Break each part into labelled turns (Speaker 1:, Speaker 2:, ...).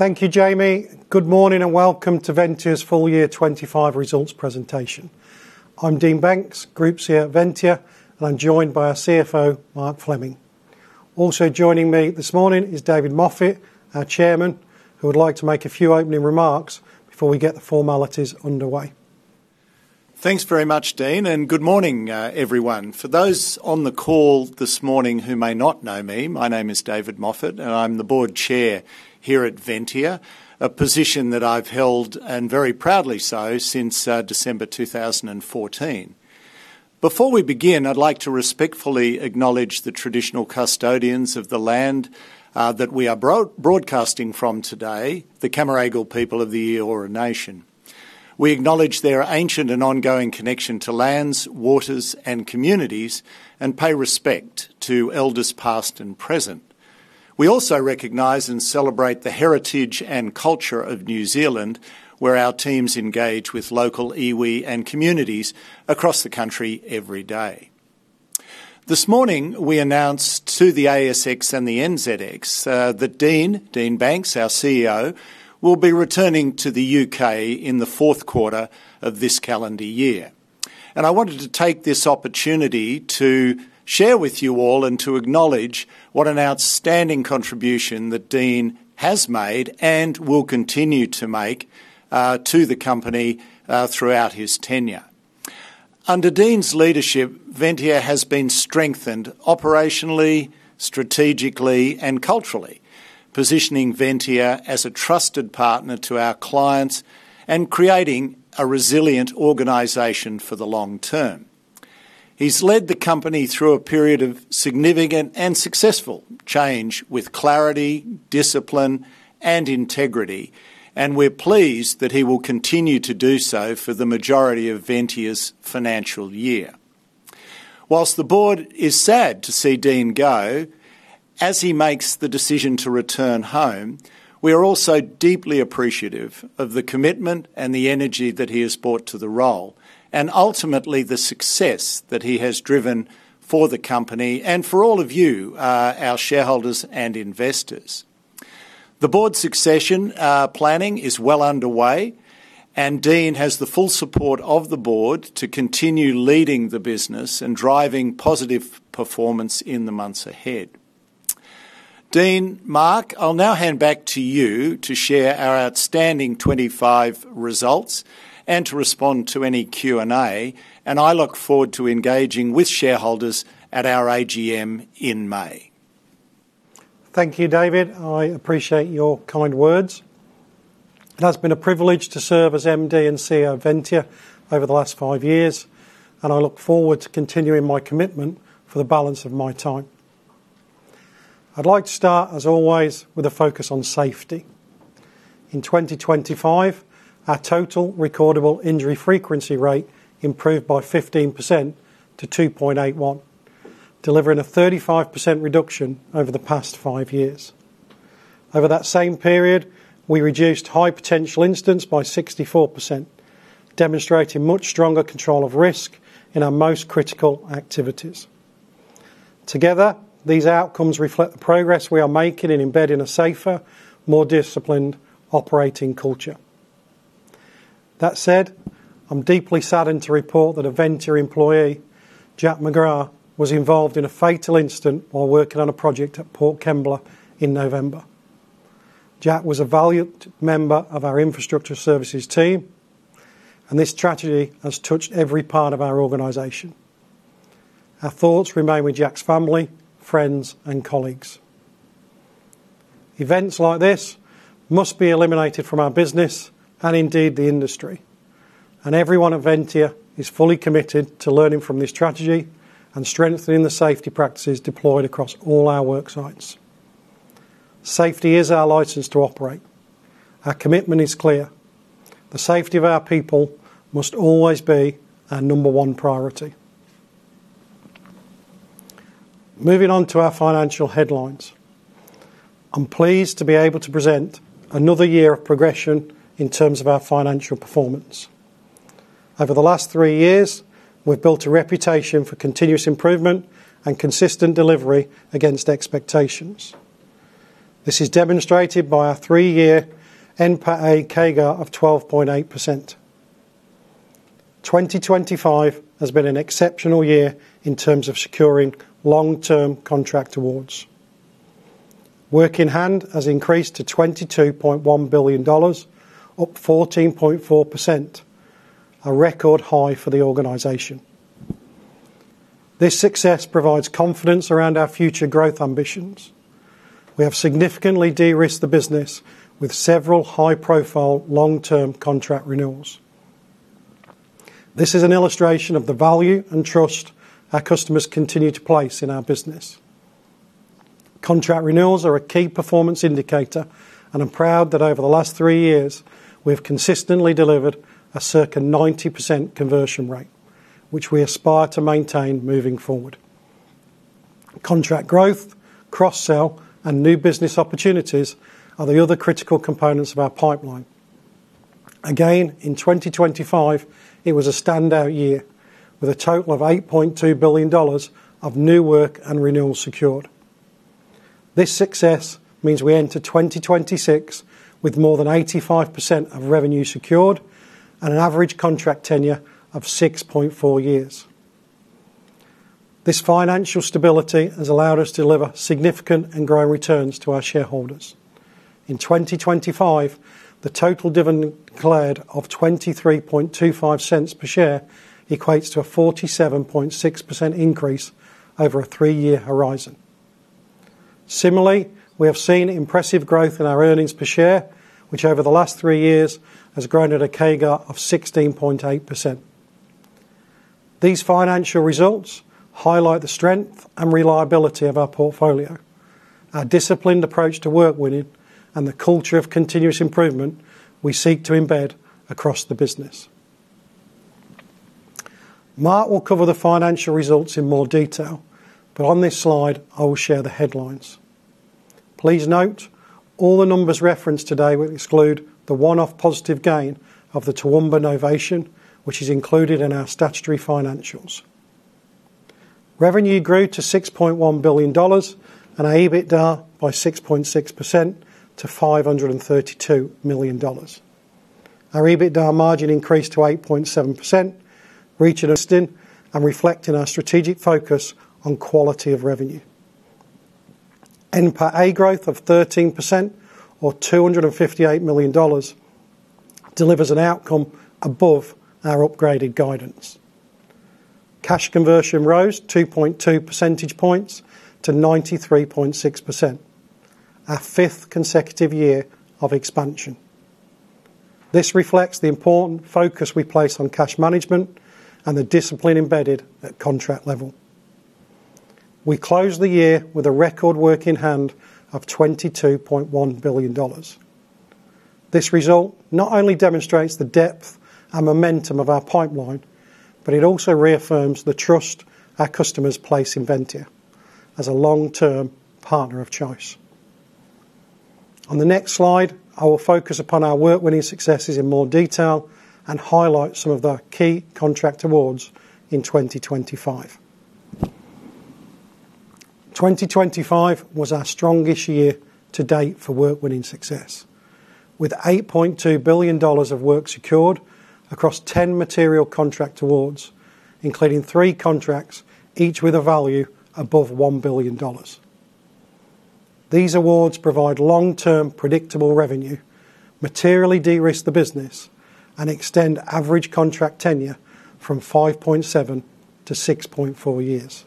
Speaker 1: Thank you, Jamie. Good morning, and welcome to Ventia's full year 2025 results presentation. I'm Dean Banks, Group CEO at Ventia, and I'm joined by our CFO, Mark Fleming. Also joining me this morning is David Moffatt, our Chairman, who would like to make a few opening remarks before we get the formalities underway.
Speaker 2: Thanks very much, Dean, and good morning, everyone. For those on the call this morning who may not know me, my name is David Moffatt, and I'm the Board Chair here at Ventia, a position that I've held, and very proudly so, since December 2014. Before we begin, I'd like to respectfully acknowledge the traditional custodians of the land that we are broadcasting from today, the Cammeraygal people of the Eora Nation. We acknowledge their ancient and ongoing connection to lands, waters, and communities and pay respect to elders, past and present. We also recognize and celebrate the heritage and culture of New Zealand, where our teams engage with local iwi and communities across the country every day. This morning, we announced to the ASX and the NZX, that Dean, Dean Banks, our CEO, will be returning to the UK in the fourth quarter of this calendar year. I wanted to take this opportunity to share with you all and to acknowledge what an outstanding contribution that Dean has made and will continue to make, to the company, throughout his tenure. Under Dean's leadership, Ventia has been strengthened operationally, strategically, and culturally, positioning Ventia as a trusted partner to our clients and creating a resilient organization for the long term. He's led the company through a period of significant and successful change with clarity, discipline, and integrity, and we're pleased that he will continue to do so for the majority of Ventia's financial year. While the board is sad to see Dean go, as he makes the decision to return home, we are also deeply appreciative of the commitment and the energy that he has brought to the role, and ultimately, the success that he has driven for the company and for all of you, our shareholders and investors. The board succession planning is well underway, and Dean has the full support of the board to continue leading the business and driving positive performance in the months ahead. Dean, Mark, I'll now hand back to you to share our outstanding 25 results and to respond to any Q&A, and I look forward to engaging with shareholders at our AGM in May.
Speaker 1: Thank you, David. I appreciate your kind words. It has been a privilege to serve as MD and CEO of Ventia over the last five years, and I look forward to continuing my commitment for the balance of my time. I'd like to start, as always, with a focus on safety. In 2025, our total recordable injury frequency rate improved by 15% to 2.81, delivering a 35% reduction over the past five years. Over that same period, we reduced high potential incidents by 64%, demonstrating much stronger control of risk in our most critical activities. Together, these outcomes reflect the progress we are making in embedding a safer, more disciplined operating culture. That said, I'm deeply saddened to report that a Ventia employee, Jack McGrath, was involved in a fatal incident while working on a project at Port Kembla in November. Jack was a valued member of our Infrastructure Services team, and this tragedy has touched every part of our organization. Our thoughts remain with Jack's family, friends, and colleagues. Events like this must be eliminated from our business and indeed, the industry, and everyone at Ventia is fully committed to learning from this tragedy and strengthening the safety practices deployed across all our work sites. Safety is our license to operate. Our commitment is clear: The safety of our people must always be our number one priority. Moving on to our financial headlines. I'm pleased to be able to present another year of progression in terms of our financial performance. Over the last three years, we've built a reputation for continuous improvement and consistent delivery against expectations. This is demonstrated by our three-year NPAT CAGR of 12.8%. 2025 has been an exceptional year in terms of securing long-term contract awards. Work in hand has increased to 22.1 billion dollars, up 14.4%, a record high for the organization. This success provides confidence around our future growth ambitions. We have significantly de-risked the business with several high-profile, long-term contract renewals. This is an illustration of the value and trust our customers continue to place in our business. Contract renewals are a key performance indicator, and I'm proud that over the last three years, we have consistently delivered a circa 90% conversion rate, which we aspire to maintain moving forward. Contract growth, cross-sell, and new business opportunities are the other critical components of our pipeline. Again, in 2025, it was a standout year, with a total of 8.2 billion dollars of new work and renewals secured. This success means we enter 2026 with more than 85% of revenue secured and an average contract tenure of 6.4 years. This financial stability has allowed us to deliver significant and growing returns to our shareholders. In 2025, the total dividend declared of 0.2325 per share equates to a 47.6% increase over a 3-year horizon. Similarly, we have seen impressive growth in our earnings per share, which over the last 3 years has grown at a CAGR of 16.8%. These financial results highlight the strength and reliability of our portfolio, our disciplined approach to work winning, and the culture of continuous improvement we seek to embed across the business. Mark will cover the financial results in more detail, but on this slide, I will share the headlines. Please note, all the numbers referenced today will exclude the one-off positive gain of the Toowoomba novation, which is included in our statutory financials. Revenue grew to 6.1 billion dollars and our EBITDA by 6.6% to 532 million dollars. Our EBITDA margin increased to 8.7%, reaching and reflecting our strategic focus on quality of revenue. NPAT growth of 13% or 258 million dollars delivers an outcome above our upgraded guidance. Cash conversion rose 2.2 percentage points to 93.6%, our fifth consecutive year of expansion. This reflects the important focus we place on cash management and the discipline embedded at contract level. We closed the year with a record work in hand of 22.1 billion dollars. This result not only demonstrates the depth and momentum of our pipeline, but it also reaffirms the trust our customers place in Ventia as a long-term partner of choice. On the next slide, I will focus upon our work-winning successes in more detail and highlight some of the key contract awards in 2025. 2025 was our strongest year to date for work-winning success, with 8.2 billion dollars of work secured across 10 material contract awards, including three contracts, each with a value above 1 billion dollars. These awards provide long-term predictable revenue, materially de-risk the business, and extend average contract tenure from 5.7 to 6.4 years.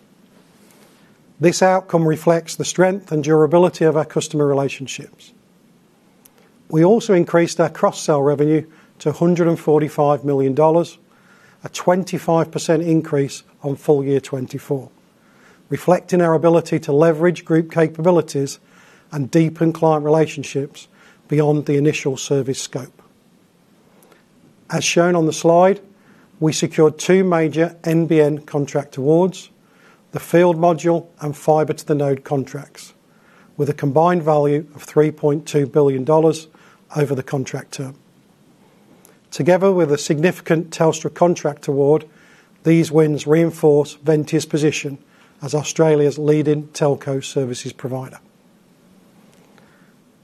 Speaker 1: This outcome reflects the strength and durability of our customer relationships. We also increased our cross-sell revenue to 145 million dollars, a 25% increase on full year 2024, reflecting our ability to leverage group capabilities and deepen client relationships beyond the initial service scope. As shown on the slide, we secured two major NBN contract awards, the field module and Fibre to the Node contracts, with a combined value of 3.2 billion dollars over the contract term. Together with a significant Telstra contract award, these wins reinforce Ventia's position as Australia's leading telco services provider.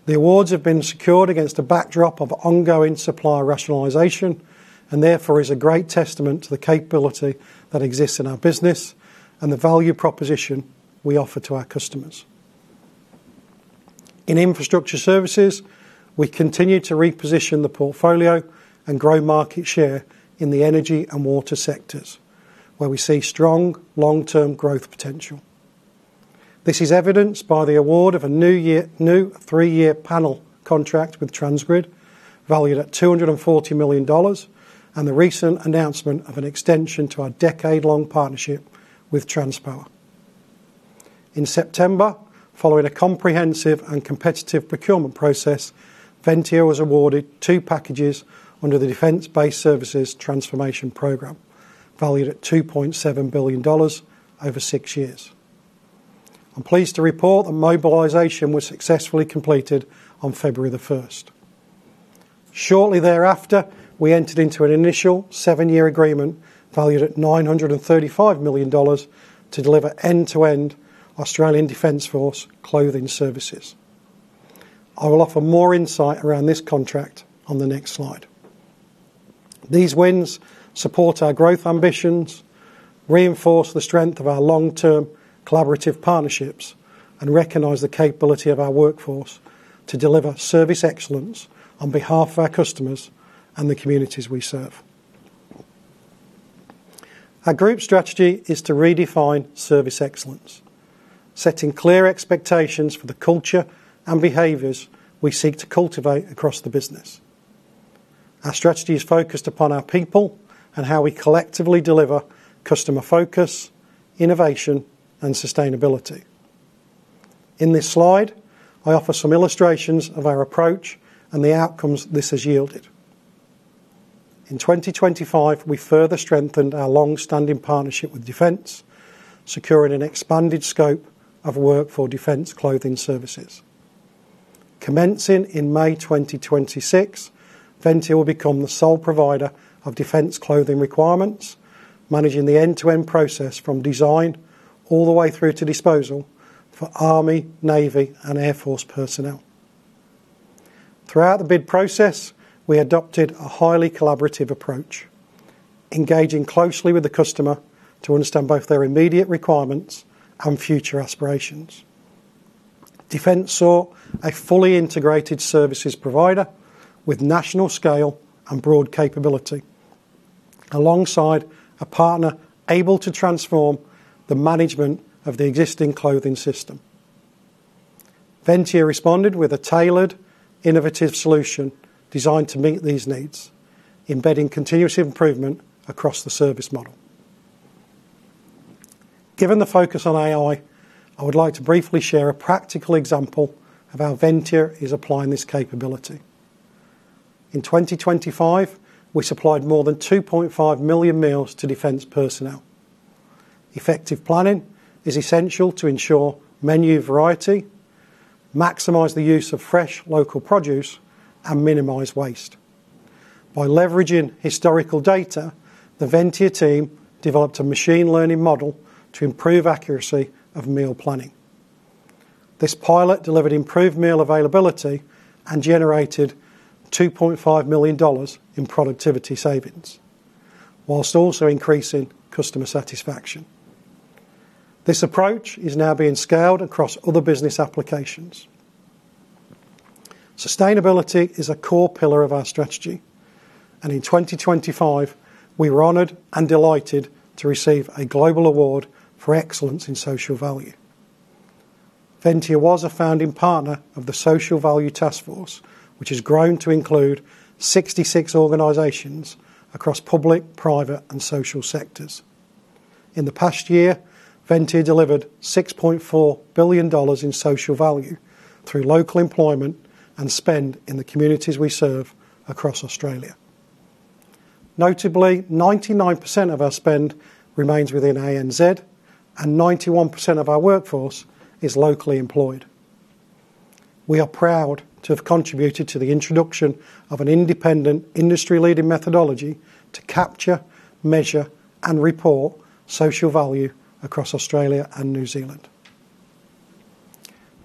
Speaker 1: The awards have been secured against a backdrop of ongoing supplier rationalization and therefore is a great testament to the capability that exists in our business and the value proposition we offer to our customers. In Infrastructure Services, we continue to reposition the portfolio and grow market share in the energy and water sectors, where we see strong long-term growth potential. This is evidenced by the award of a new three-year panel contract with Transgrid, valued at 240 million dollars, and the recent announcement of an extension to our decade-long partnership with Transpower. In September, following a comprehensive and competitive procurement process, Ventia was awarded two packages under the Defence Base Services Transformation Program, valued at 2.7 billion dollars over six years. I'm pleased to report that mobilization was successfully completed on February the first. Shortly thereafter, we entered into an initial seven-year agreement, valued at 935 million dollars, to deliver end-to-end Australian Defence Force clothing services. I will offer more insight around this contract on the next slide. These wins support our growth ambitions, reinforce the strength of our long-term collaborative partnerships, and recognize the capability of our workforce to deliver service excellence on behalf of our customers and the communities we serve. Our group strategy is to redefine service excellence, setting clear expectations for the culture and behaviors we seek to cultivate across the business. Our strategy is focused upon our people and how we collectively deliver customer focus, innovation, and sustainability. In this slide, I offer some illustrations of our approach and the outcomes this has yielded. In 2025, we further strengthened our long-standing partnership with Defence, securing an expanded scope of work for Defence Clothing Services. Commencing in May 2026, Ventia will become the sole provider of Defence clothing requirements, managing the end-to-end process from design all the way through to disposal for Army, Navy, and Air Force personnel. Throughout the bid process, we adopted a highly collaborative approach, engaging closely with the customer to understand both their immediate requirements and future aspirations. Defence sought a fully integrated services provider with national scale and broad capability, alongside a partner able to transform the management of the existing clothing system. Ventia responded with a tailored, innovative solution designed to meet these needs, embedding continuous improvement across the service model. Given the focus on AI, I would like to briefly share a practical example of how Ventia is applying this capability. In 2025, we supplied more than 2.5 million meals to Defence personnel. Effective planning is essential to ensure menu variety, maximize the use of fresh, local produce, and minimize waste. By leveraging historical data, the Ventia team developed a machine learning model to improve accuracy of meal planning. This pilot delivered improved meal availability and generated 2.5 million dollars in productivity savings, while also increasing customer satisfaction. This approach is now being scaled across other business applications. Sustainability is a core pillar of our strategy, and in 2025, we were honored and delighted to receive a global award for excellence in social value. Ventia was a founding partner of the Social Value Task Force, which has grown to include 66 organizations across public, private, and social sectors. In the past year, Ventia delivered 6.4 billion dollars in social value through local employment and spend in the communities we serve across Australia. Notably, 99% of our spend remains within ANZ, and 91% of our workforce is locally employed. We are proud to have contributed to the introduction of an independent, industry-leading methodology to capture, measure, and report social value across Australia and New Zealand.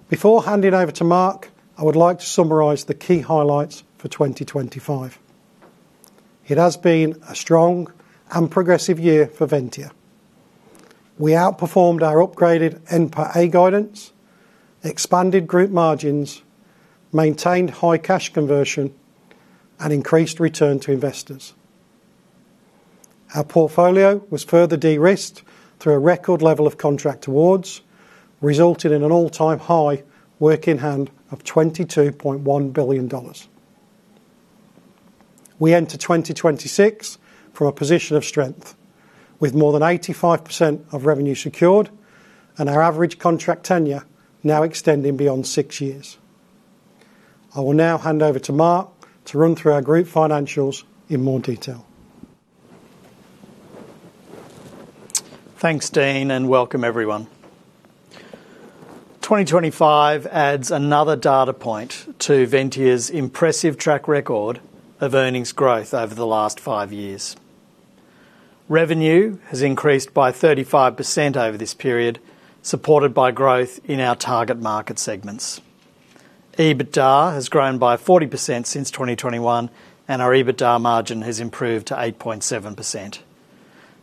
Speaker 1: Before handing over to Mark, I would like to summarize the key highlights for 2025. It has been a strong and progressive year for Ventia. We outperformed our upgraded NPATA guidance, expanded group margins, maintained high cash conversion, and increased return to investors. Our portfolio was further de-risked through a record level of contract awards, resulting in an all-time high work in hand of 22.1 billion dollars. We enter 2026 from a position of strength, with more than 85% of revenue secured and our average contract tenure now extending beyond 6 years. I will now hand over to Mark to run through our group financials in more detail.
Speaker 3: Thanks, Dean, and welcome everyone. 2025 adds another data point to Ventia's impressive track record of earnings growth over the last 5 years. Revenue has increased by 35% over this period, supported by growth in our target market segments. EBITDA has grown by 40% since 2021, and our EBITDA margin has improved to 8.7%.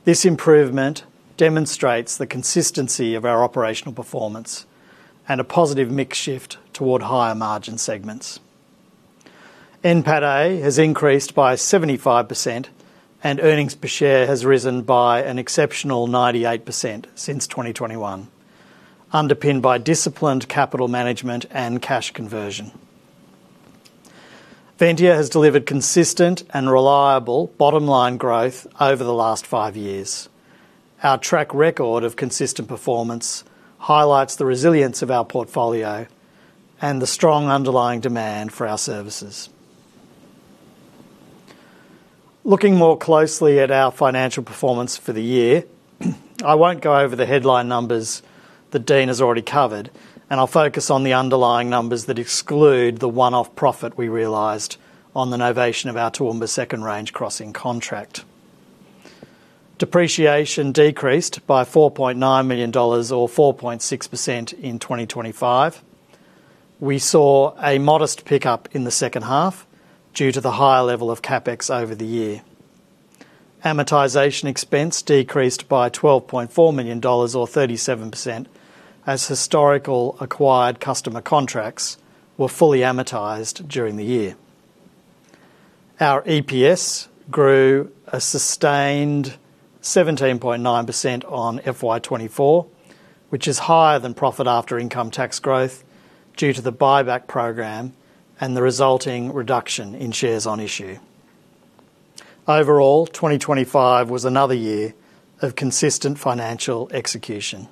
Speaker 3: This improvement demonstrates the consistency of our operational performance and a positive mix shift toward higher margin segments. NPATA has increased by 75%, and earnings per share has risen by an exceptional 98% since 2021, underpinned by disciplined capital management and cash conversion. Ventia has delivered consistent and reliable bottom line growth over the last 5 years. Our track record of consistent performance highlights the resilience of our portfolio and the strong underlying demand for our services. Looking more closely at our financial performance for the year, I won't go over the headline numbers that Dean has already covered, and I'll focus on the underlying numbers that exclude the one-off profit we realized on the novation of our Toowoomba Second Range Crossing contract. Depreciation decreased by 4.9 million dollars, or 4.6%, in 2025. We saw a modest pickup in the second half due to the higher level of CapEx over the year. Amortization expense decreased by 12.4 million dollars, or 37%, as historical acquired customer contracts were fully amortized during the year. Our EPS grew a sustained 17.9% on FY 2024, which is higher than profit after income tax growth due to the buyback program and the resulting reduction in shares on issue. Overall, 2025 was another year of consistent financial execution.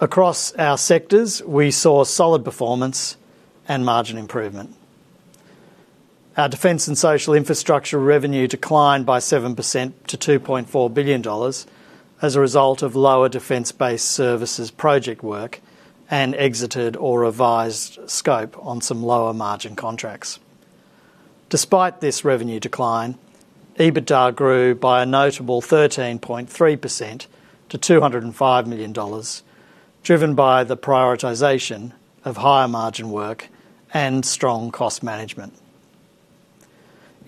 Speaker 3: Across our sectors, we saw solid performance and margin improvement. Our Defence and Social Infrastructure revenue declined by 7% to 2.4 billion dollars as a result of lower Defence Base Services project work, and exited or revised scope on some lower margin contracts. Despite this revenue decline, EBITDA grew by a notable 13.3% to 205 million dollars, driven by the prioritization of higher margin work and strong cost management.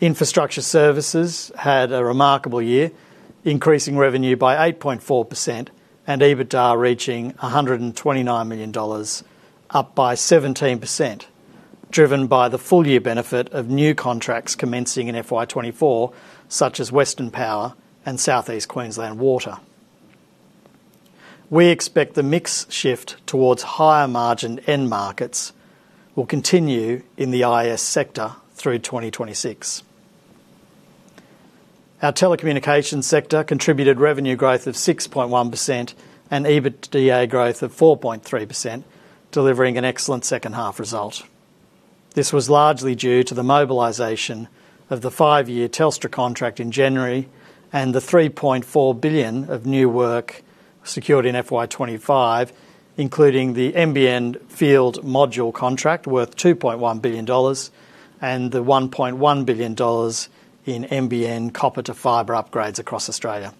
Speaker 3: Infrastructure Services had a remarkable year, increasing revenue by 8.4%, and EBITDA reaching 129 million dollars, up by 17%, driven by the full year benefit of new contracts commencing in FY 2024, such as Western Power and Southeast Queensland Water. We expect the mix shift towards higher margin end markets will continue in the IS sector through 2026. Our Telecommunications sector contributed revenue growth of 6.1% and EBITDA growth of 4.3%, delivering an excellent second half result. This was largely due to the mobilization of the 5-year Telstra contract in January and the 3.4 billion of new work secured in FY 2025, including the NBN field module contract, worth 2.1 billion dollars, and the 1.1 billion dollars in NBN copper to fibre upgrades across Australia.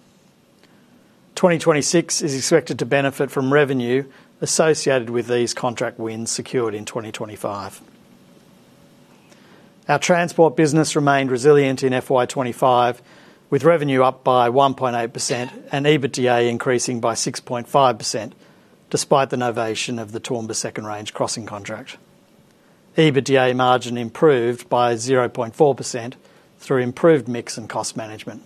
Speaker 3: 2026 is expected to benefit from revenue associated with these contract wins secured in 2025. Our Transport business remained resilient in FY 2025, with revenue up by 1.8% and EBITDA increasing by 6.5%, despite the novation of the Toowoomba Second Range Crossing contract. EBITDA margin improved by 0.4% through improved mix and cost management.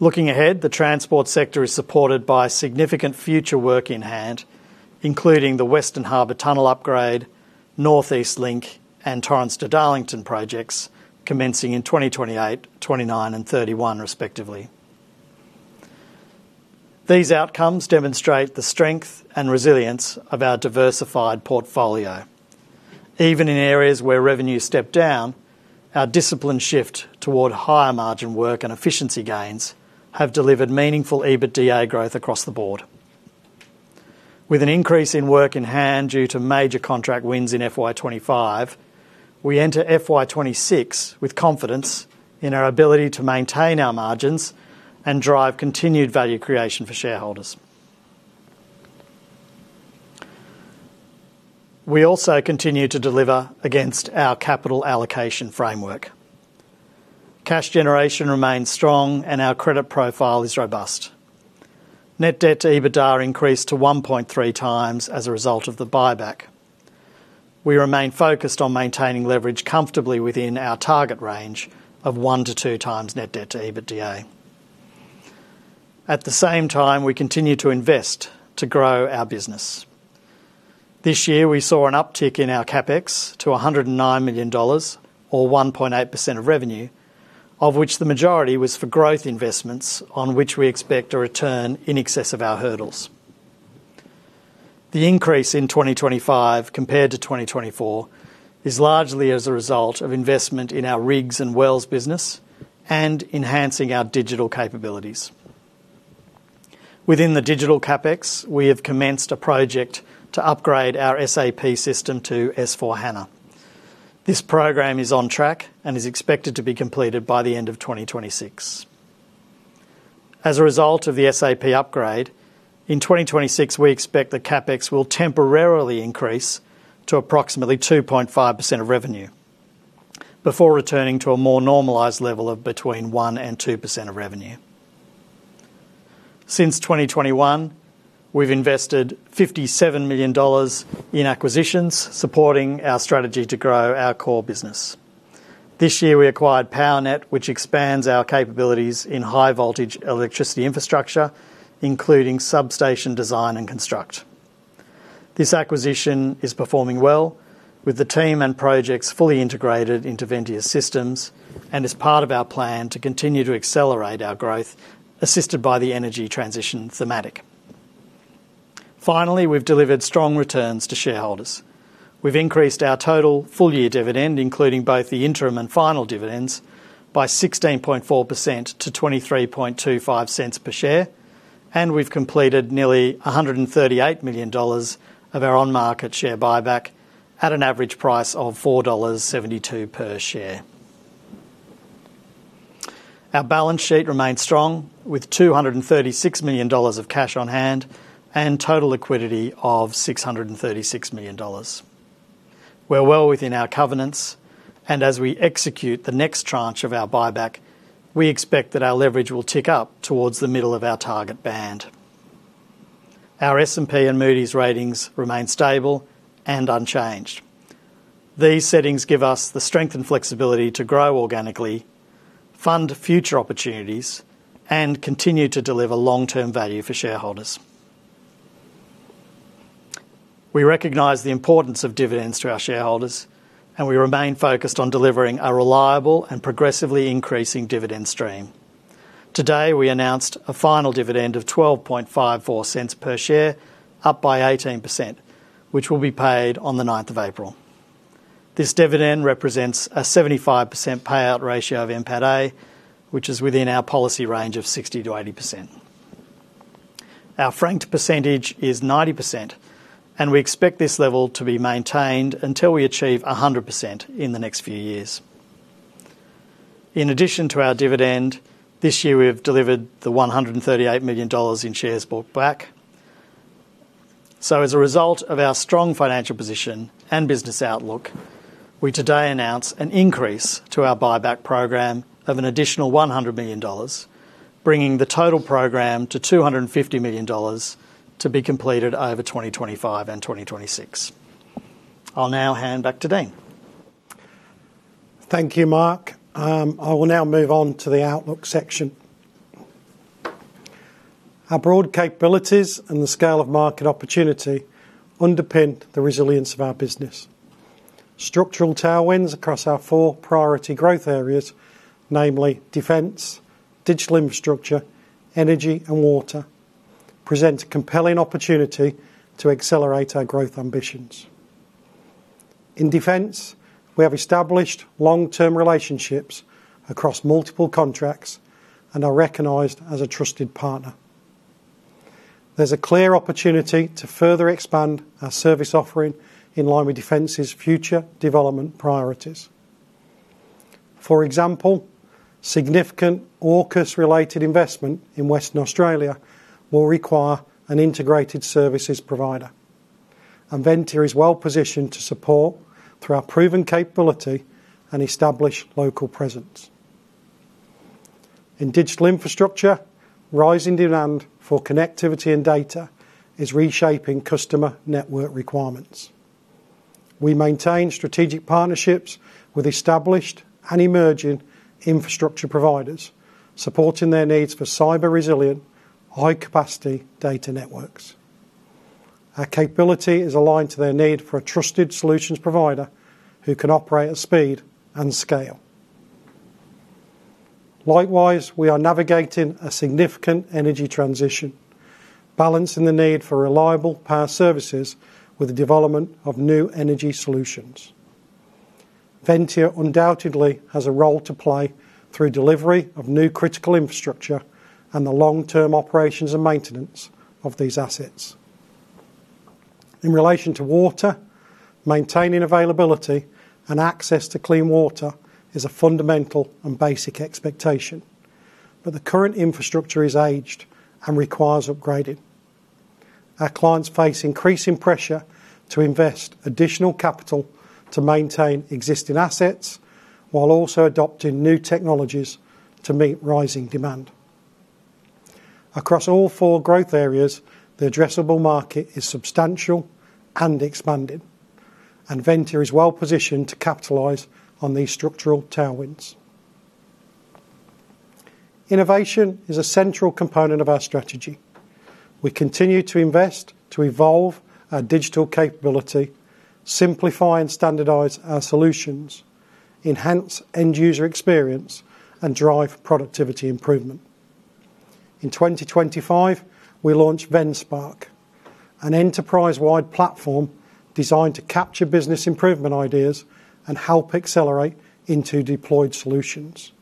Speaker 3: Looking ahead, the Transport sector is supported by significant future work in hand, including the Western Harbour Tunnel upgrade, North East Link, and Torrens to Darlington projects, commencing in 2028, 2029, and 2031, respectively. These outcomes demonstrate the strength and resilience of our diversified portfolio. Even in areas where revenue stepped down, our disciplined shift toward higher margin work and efficiency gains have delivered meaningful EBITDA growth across the board. With an increase in work in hand due to major contract wins in FY 2025, we enter FY 2026 with confidence in our ability to maintain our margins and drive continued value creation for shareholders. We also continue to deliver against our capital allocation framework. Cash generation remains strong, and our credit profile is robust. Net debt to EBITDA increased to 1.3 times as a result of the buyback. We remain focused on maintaining leverage comfortably within our target range of 1-2 times net debt to EBITDA. At the same time, we continue to invest to grow our business. This year, we saw an uptick in our CapEx to 109 million dollars, or 1.8% of revenue, of which the majority was for growth investments on which we expect a return in excess of our hurdles. The increase in 2025 compared to 2024 is largely as a result of investment in our rigs and wells business and enhancing our digital capabilities. Within the digital CapEx, we have commenced a project to upgrade our SAP system to S/4HANA. This program is on track and is expected to be completed by the end of 2026. As a result of the SAP upgrade, in 2026, we expect the CapEx will temporarily increase to approximately 2.5% of revenue before returning to a more normalized level of between 1%-2% of revenue. Since 2021, we've invested 57 million dollars in acquisitions, supporting our strategy to grow our core business. This year, we acquired PowerNet, which expands our capabilities in high voltage electricity infrastructure, including substation design and construct. This acquisition is performing well with the team and projects fully integrated into Ventia systems, and is part of our plan to continue to accelerate our growth, assisted by the energy transition thematic. Finally, we've delivered strong returns to shareholders. We've increased our total full-year dividend, including both the interim and final dividends, by 16.4% to 0.2325 per share, and we've completed nearly 138 million dollars of our on-market share buyback at an average price of 4.72 dollars per share. Our balance sheet remains strong, with 236 million dollars of cash on hand and total liquidity of 636 million dollars. We're well within our covenants, and as we execute the next tranche of our buyback, we expect that our leverage will tick up towards the middle of our target band. Our S&P and Moody's ratings remain stable and unchanged. These settings give us the strength and flexibility to grow organically, fund future opportunities, and continue to deliver long-term value for shareholders. We recognize the importance of dividends to our shareholders, and we remain focused on delivering a reliable and progressively increasing dividend stream. Today, we announced a final dividend of 0.1254 per share, up by 18%, which will be paid on the ninth of April. This dividend represents a 75% payout ratio of NPATA, which is within our policy range of 60%-80%. Our franked percentage is 90%, and we expect this level to be maintained until we achieve 100% in the next few years. In addition to our dividend, this year, we have delivered AUD 138 million in shares bought back. As a result of our strong financial position and business outlook, we today announce an increase to our buyback program of an additional 100 million dollars, bringing the total program to 250 million dollars to be completed over 2025 and 2026. I'll now hand back to Dean.
Speaker 1: Thank you, Mark. I will now move on to the outlook section. Our broad capabilities and the scale of market opportunity underpin the resilience of our business. Structural tailwinds across our four priority growth areas, namely Defence, digital infrastructure, energy, and water, present a compelling opportunity to accelerate our growth ambitions. In Defence, we have established long-term relationships across multiple contracts and are recognized as a trusted partner. There's a clear opportunity to further expand our service offering in line with Defence's future development priorities. For example, significant AUKUS-related investment in Western Australia will require an integrated services provider, and Ventia is well positioned to support through our proven capability and establish local presence. In digital infrastructure, rising demand for connectivity and data is reshaping customer network requirements. We maintain strategic partnerships with established and emerging infrastructure providers, supporting their needs for cyber resilient, high-capacity data networks. Our capability is aligned to their need for a trusted solutions provider who can operate at speed and scale. Likewise, we are navigating a significant energy transition, balancing the need for reliable power services with the development of new energy solutions. Ventia undoubtedly has a role to play through delivery of new critical infrastructure and the long-term operations and maintenance of these assets. In relation to water, maintaining availability and access to clean water is a fundamental and basic expectation, but the current infrastructure is aged and requires upgrading. Our clients face increasing pressure to invest additional capital to maintain existing assets, while also adopting new technologies to meet rising demand. Across all four growth areas, the addressable market is substantial and expanding, and Ventia is well positioned to capitalize on these structural tailwinds. Innovation is a central component of our strategy. We continue to invest to evolve our digital capability, simplify and standardize our solutions, enhance end-user experience, and drive productivity improvement. In 2025, we launched VenSpark, an enterprise-wide platform designed to capture business improvement ideas and help accelerate into deployed solutions.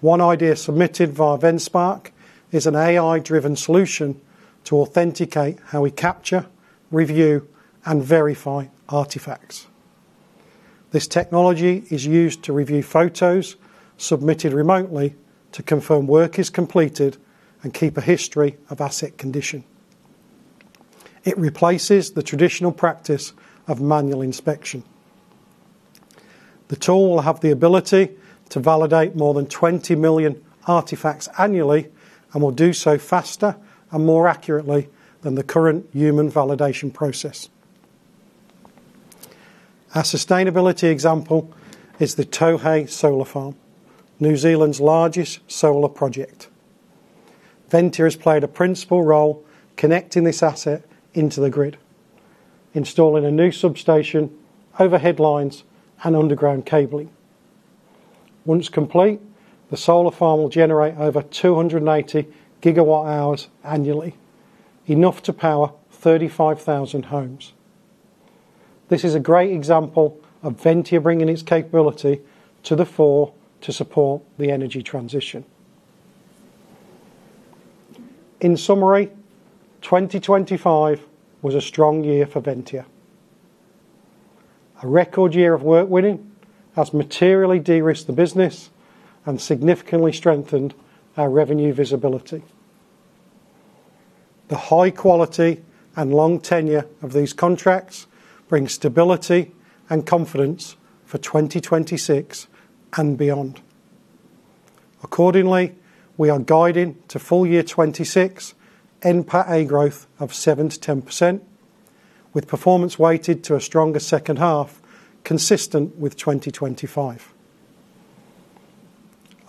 Speaker 1: One idea submitted via VenSpark is an AI-driven solution to authenticate how we capture, review, and verify artifacts. This technology is used to review photos submitted remotely to confirm work is completed and keep a history of asset condition. It replaces the traditional practice of manual inspection. The tool will have the ability to validate more than 20 million artifacts annually and will do so faster and more accurately than the current human validation process. Our sustainability example is the Tauhei Solar Farm, New Zealand's largest solar project. Ventia has played a principal role connecting this asset into the grid, installing a new substation, overhead lines, and underground cabling. Once complete, the solar farm will generate over 280 GWh annually, enough to power 35,000 homes. This is a great example of Ventia bringing its capability to the fore to support the energy transition. In summary, 2025 was a strong year for Ventia. A record year of work winning has materially de-risked the business and significantly strengthened our revenue visibility. The high quality and long tenure of these contracts brings stability and confidence for 2026 and beyond. Accordingly, we are guiding to full year 2026 NPATA growth of 7%-10%, with performance weighted to a stronger second half, consistent with 2025.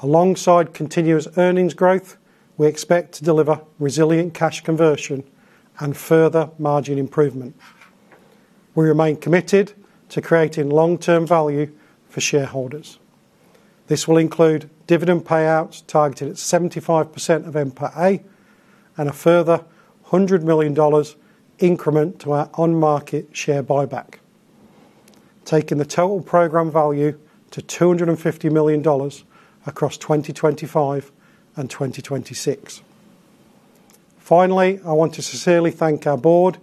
Speaker 1: Alongside continuous earnings growth, we expect to deliver resilient cash conversion and further margin improvement. We remain committed to creating long-term value for shareholders. This will include dividend payouts targeted at 75% of NPA and a further 100 million dollars increment to our on-market share buyback, taking the total program value to 250 million dollars across 2025 and 2026. Finally, I want to sincerely thank our board,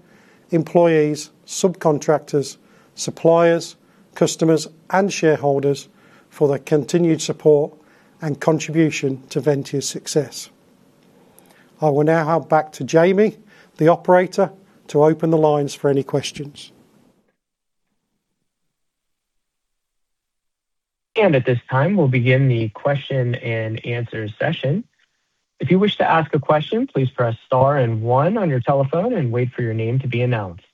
Speaker 1: employees, subcontractors, suppliers, customers, and shareholders for their continued support and contribution to Ventia's success. I will now hand back to Jamie, the operator, to open the lines for any questions.
Speaker 4: At this time, we'll begin the question and answer session. If you wish to ask a question, please press star and one on your telephone and wait for your name to be announced.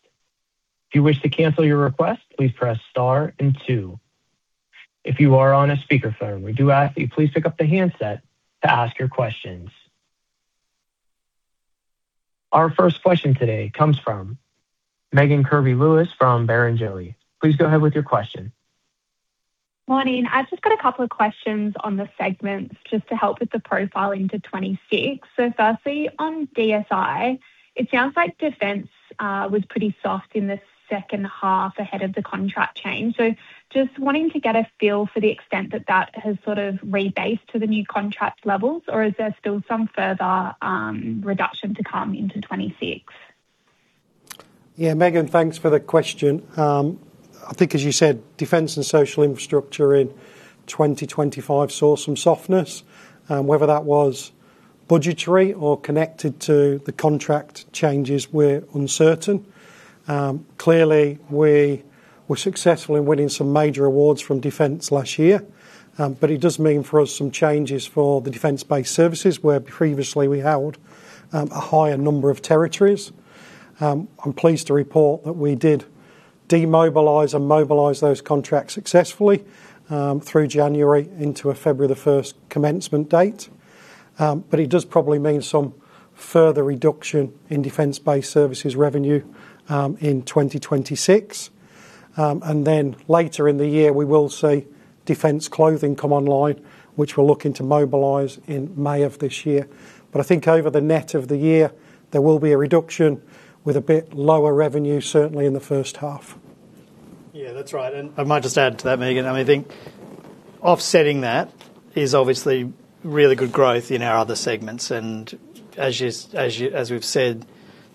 Speaker 4: If you wish to cancel your request, please press star and two. If you are on a speakerphone, we do ask that you please pick up the handset to ask your questions. Our first question today comes from Megan Kirby-Lewis from Barrenjoey. Please go ahead with your question.
Speaker 5: Morning. I've just got a couple of questions on the segments just to help with the profiling to 2026. So firstly, on DSI, it sounds like Defence was pretty soft in the second half ahead of the contract change. So just wanting to get a feel for the extent that that has sort of rebased to the new contract levels, or is there still some further reduction to come into 2026?
Speaker 1: Yeah, Megan, thanks for the question. I think, as you said, Defence and Social Infrastructure in 2025 saw some softness, whether that was budgetary or connected to the contract changes, we're uncertain. Clearly, we were successful in winning some major awards from Defence last year, but it does mean for us some changes for the Defence-based services, where previously we held a higher number of territories. I'm pleased to report that we did demobilize and mobilize those contracts successfully through January into February 1 commencement date. But it does probably mean some further reduction in Defence-based services revenue in 2026. And then later in the year, we will see Defence clothing come online, which we're looking to mobilize in May of this year. But I think over the next year, there will be a reduction with a bit lower revenue, certainly in the first half.
Speaker 3: Yeah, that's right. And I might just add to that, Megan. I mean, I think offsetting that is obviously really good growth in our other segments, and as we've said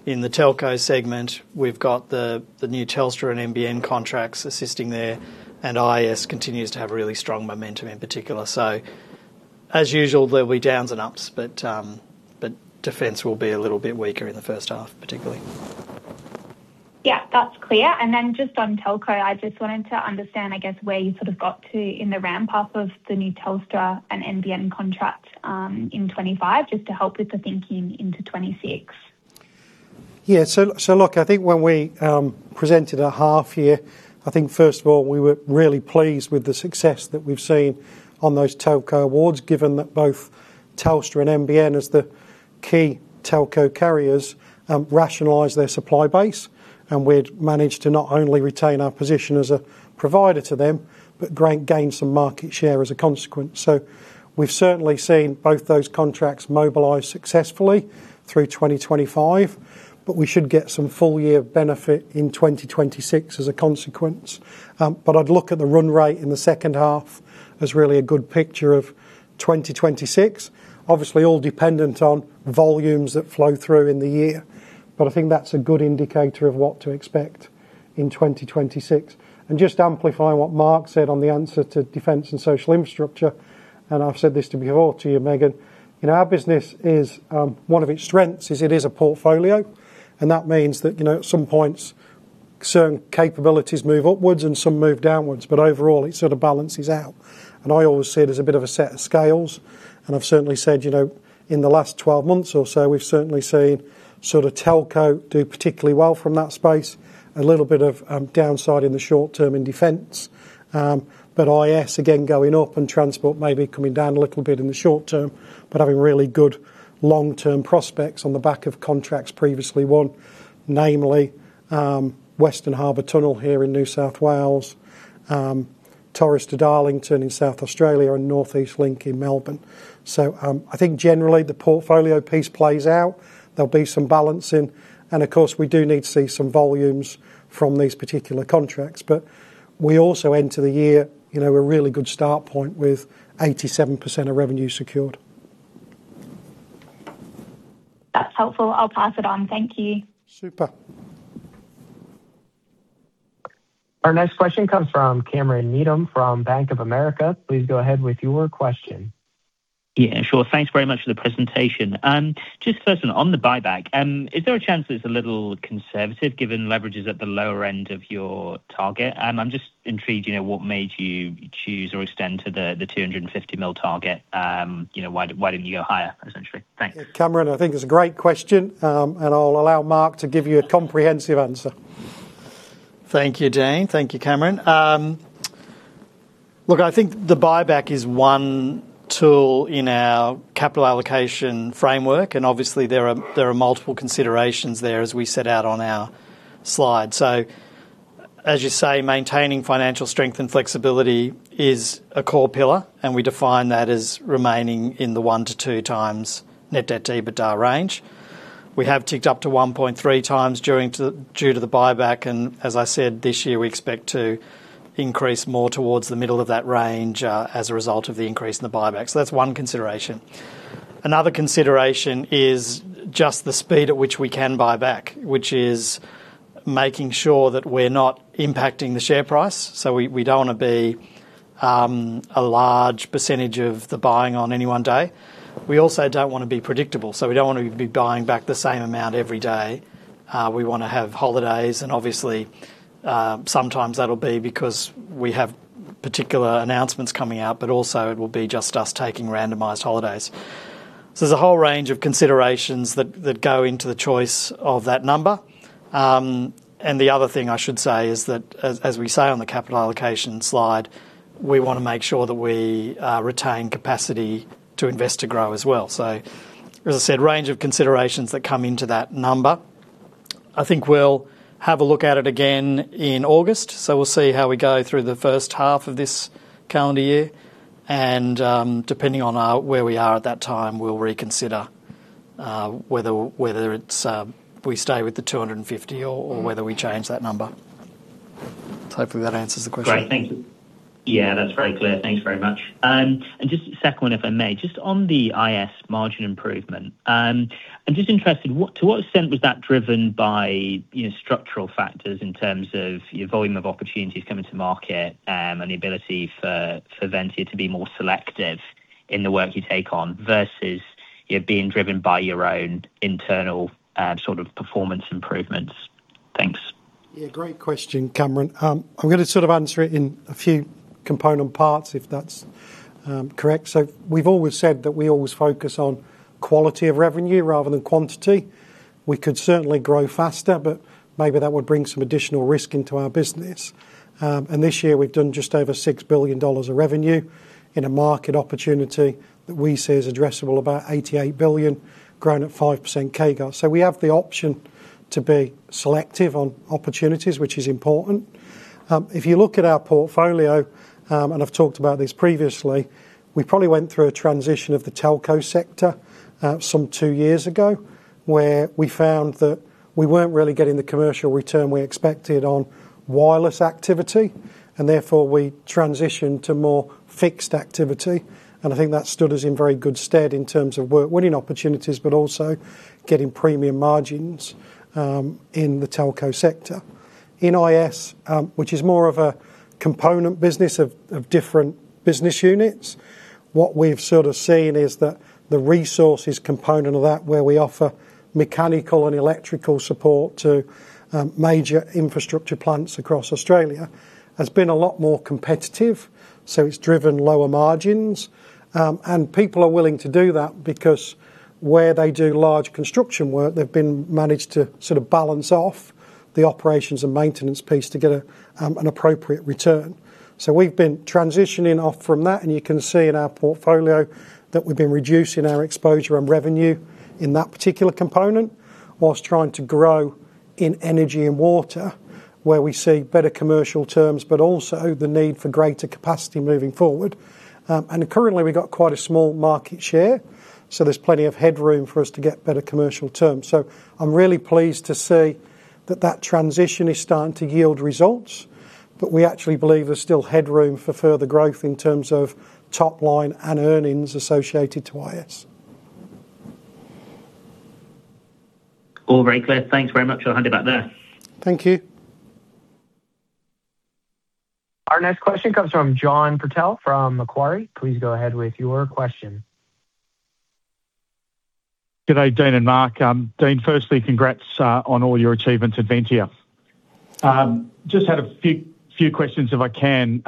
Speaker 3: in the telco segment, we've got the new Telstra and NBN contracts assisting there, and IS continues to have really strong momentum in particular. So as usual, there'll be downs and ups, but Defence will be a little bit weaker in the first half, particularly.
Speaker 5: Yeah, that's clear. And then just on telco, I just wanted to understand, I guess, where you sort of got to in the ramp-up of the new Telstra and NBN contracts in 2025, just to help with the thinking into 2026.
Speaker 1: Yeah. So look, I think when we presented a half year, I think first of all, we were really pleased with the success that we've seen on those telco awards, given that both Telstra and NBN, as the key telco carriers, rationalize their supply base. And we'd managed to not only retain our position as a provider to them, but gain some market share as a consequence. So we've certainly seen both those contracts mobilize successfully through 2025, but we should get some full year benefit in 2026 as a consequence. But I'd look at the run rate in the second half as really a good picture of 2026. Obviously, all dependent on volumes that flow through in the year, but I think that's a good indicator of what to expect in 2026. Just to amplify what Mark said on the answer to Defence and Social Infrastructure, and I've said this to you before, you know, our business is, one of its strengths is it is a portfolio, and that means that, you know, at some points, certain capabilities move upwards and some move downwards, but overall, it sort of balances out. I always see it as a bit of a set of scales, and I've certainly said, you know, in the last 12 months or so, we've certainly seen sort of telco do particularly well from that space, a little bit of downside in the short term in Defence, but IS again, going up, and Transport maybe coming down a little bit in the short term, but having really good long-term prospects on the back of contracts previously won, namely, Western Harbour Tunnel here in New South Wales, Torrens to Darlington in South Australia and North East Link in Melbourne. So, I think generally the portfolio piece plays out. There'll be some balancing, and of course, we do need to see some volumes from these particular contracts, but we also enter the year, you know, a really good start point with 87% of revenue secured.
Speaker 5: That's helpful. I'll pass it on. Thank you.
Speaker 1: Super.
Speaker 4: Our next question comes from Cameron Needham, from Bank of America. Please go ahead with your question.
Speaker 6: Yeah, sure. Thanks very much for the presentation. Just first, on the buyback, is there a chance it's a little conservative, given leverage is at the lower end of your target? I'm just intrigued, you know, what made you choose or extend to the 250 million target? You know, why didn't you go higher, essentially? Thanks.
Speaker 1: Cameron, I think it's a great question, and I'll allow Mark to give you a comprehensive answer.
Speaker 3: Thank you, Dean. Thank you, Cameron. Look, I think the buyback is one tool in our capital allocation framework, and obviously there are multiple considerations there as we set out on our slide. So as you say, maintaining financial strength and flexibility is a core pillar, and we define that as remaining in the 1-2x Net Debt to EBITDA range. We have ticked up to 1.3x during to, due to the buyback, and as I said, this year, we expect to increase more towards the middle of that range, as a result of the increase in the buyback. So that's one consideration. Another consideration is just the speed at which we can buy back, which is making sure that we're not impacting the share price. So we don't want to be a large percentage of the buying on any one day. We also don't want to be predictable, so we don't want to be buying back the same amount every day. We wanna have holidays, and obviously, sometimes that'll be because we have particular announcements coming out, but also it will be just us taking randomized holidays. So there's a whole range of considerations that go into the choice of that number. And the other thing I should say is that as we say on the capital allocation slide, we wanna make sure that we retain capacity to invest, to grow as well. So as I said, range of considerations that come into that number. I think we'll have a look at it again in August, so we'll see how we go through the first half of this calendar year, and depending on where we are at that time, we'll reconsider whether it's if we stay with the 250 or whether we change that number. So hopefully that answers the question.
Speaker 6: Great. Thank you. Yeah, that's very clear. Thanks very much. And just a second one, if I may. Just on the IS margin improvement, I'm just interested, to what extent was that driven by, you know, structural factors in terms of your volume of opportunities coming to market, and the ability for, for Ventia to be more selective in the work you take on versus you're being driven by your own internal sort of performance improvements? Thanks.
Speaker 1: Yeah, great question, Cameron. I'm gonna sort of answer it in a few component parts, if that's correct. So we've always said that we always focus on quality of revenue rather than quantity. We could certainly grow faster, but maybe that would bring some additional risk into our business. And this year we've done just over 6 billion dollars of revenue in a market opportunity that we see as addressable, about 88 billion, growing at 5% CAGR. So we have the option to be selective on opportunities, which is important. If you look at our portfolio, and I've talked about this previously, we probably went through a transition of the telco sector, some two years ago, where we found that we weren't really getting the commercial return we expected on wireless activity, and therefore, we transitioned to more fixed activity. I think that stood us in very good stead in terms of work, winning opportunities, but also getting premium margins in the telco sector. In IS, which is more of a component business of different business units, what we've sort of seen is that the resources component of that, where we offer mechanical and electrical support to major infrastructure plants across Australia, has been a lot more competitive, so it's driven lower margins. And people are willing to do that because where they do large construction work, they've been managed to sort of balance off the operations and maintenance piece to get an appropriate return. So we've been transitioning off from that, and you can see in our portfolio that we've been reducing our exposure and revenue in that particular component, while trying to grow in energy and water, where we see better commercial terms, but also the need for greater capacity moving forward. And currently, we've got quite a small market share, so there's plenty of headroom for us to get better commercial terms. So I'm really pleased to see that that transition is starting to yield results, but we actually believe there's still headroom for further growth in terms of top line and earnings associated to IS.
Speaker 6: All very clear. Thanks very much. I'll hand it back there.
Speaker 1: Thank you.
Speaker 4: Our next question comes from John Purtell from Macquarie. Please go ahead with your question.
Speaker 7: Good day, Dean and Mark. Dean, firstly, congrats on all your achievements at Ventia. Just had a few questions, if I can.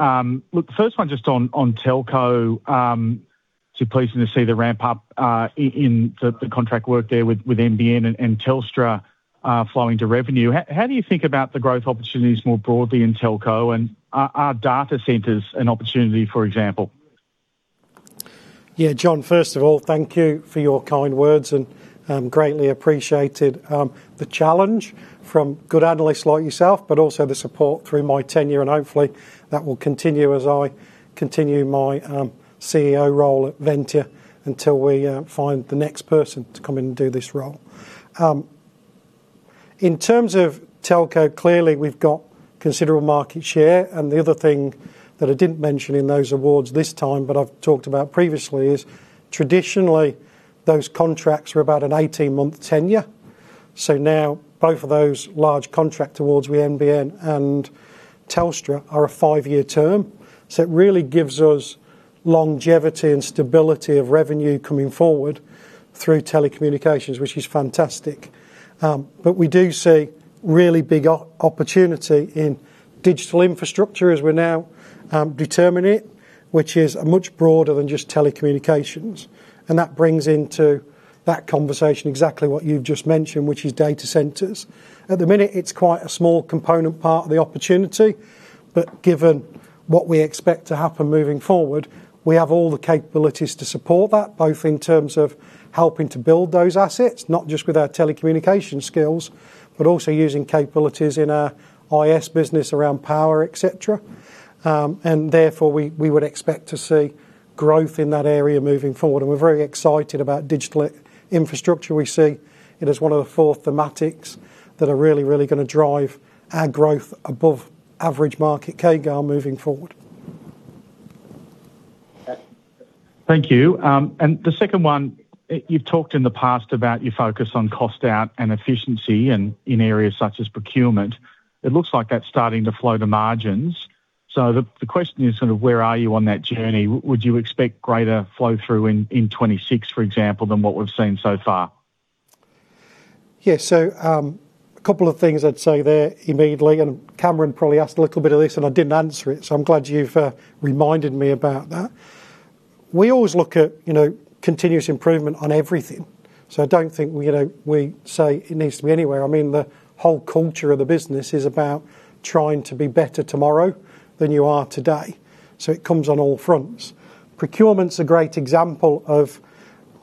Speaker 7: Look, the first one just on telco, so pleasing to see the ramp up in the contract work there with NBN and Telstra flowing to revenue. How do you think about the growth opportunities more broadly in telco, and are data centers an opportunity, for example?
Speaker 1: Yeah, John, first of all, thank you for your kind words and greatly appreciated the challenge from good analysts like yourself, but also the support through my tenure, and hopefully that will continue as I continue my CEO role at Ventia until we find the next person to come in and do this role. In terms of telco, clearly we've got considerable market share, and the other thing that I didn't mention in those awards this time, but I've talked about previously, is traditionally, those contracts were about an 18-month tenure. So now both of those large contract awards with NBN and Telstra are a 5-year term. So it really gives us longevity and stability of revenue coming forward through Telecommunications, which is fantastic. But we do see really big opportunity in digital infrastructure as we now determine it, which is much broader than just Telecommunications. And that brings into that conversation exactly what you've just mentioned, which is data centers. At the minute, it's quite a small component part of the opportunity, but given what we expect to happen moving forward, we have all the capabilities to support that, both in terms of helping to build those assets, not just with our telecommunication skills, but also using capabilities in our IS business around power, et cetera. And therefore, we would expect to see growth in that area moving forward. And we're very excited about digital infrastructure. We see it as one of the four thematics that are really, really gonna drive our growth above average market CAGR moving forward.
Speaker 7: Thank you. And the second one, you've talked in the past about your focus on cost out and efficiency and in areas such as procurement. It looks like that's starting to flow to margins. So the question is sort of: Where are you on that journey? Would you expect greater flow-through in 2026, for example, than what we've seen so far?
Speaker 1: Yeah, so, a couple of things I'd say there immediately, and Cameron probably asked a little bit of this, and I didn't answer it, so I'm glad you've reminded me about that. We always look at, you know, continuous improvement on everything. So I don't think, you know, we say it needs to be anywhere. I mean, the whole culture of the business is about trying to be better tomorrow than you are today, so it comes on all fronts. Procurement's a great example of